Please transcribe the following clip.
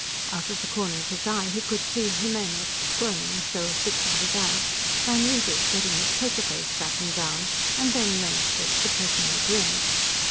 Out of the corner of his eye he could see Jimenez squirming as though afflicted with ants, van Riebeek getting his poker face battened down and Ben Rainsford suppressing a grin.